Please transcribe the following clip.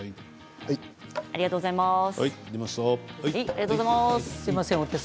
ありがとうございます。